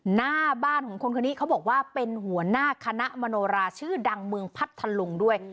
หน้าบ้านของคนคนนี้เขาบอกว่าเป็นหัวหน้าคณะมโนราชื่อดังเมืองพัทธลุงด้วย